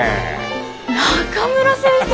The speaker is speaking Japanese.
中村先生！